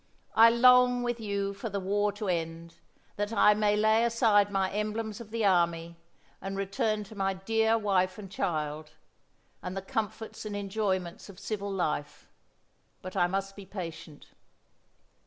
I long with you for the war to end, that I may lay aside my emblems of the army, and return to my dear wife and child, and the comforts and enjoyments of civil life, but I must be patient."